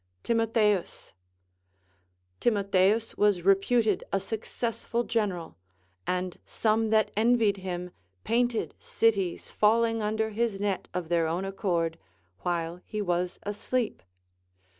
TiMOTHEUs. Timotheus Avas reputed a successful gen eral, and some that envied him painted cities falling under his net of their own accord, while he was asleep.